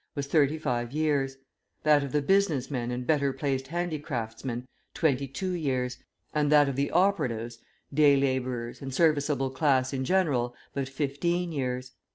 was thirty five years; that of the business men and better placed handicraftsmen, twenty two years; and that of the operatives, day labourers, and serviceable class in general, but fifteen years.